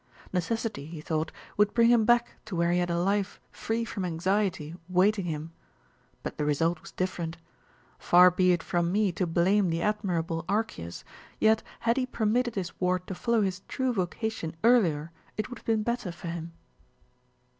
Necessity, he thought, would bring him back to where he had a life free from anxiety awaiting him. But the result was different. Far be it from me to blame the admirable Archias, yet had he permitted his ward to follow his true vocation earlier, it would have been better for him."